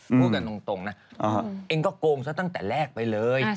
พูดกันตรงนะเองก็โกงซะตั้งแต่แรกไปเลย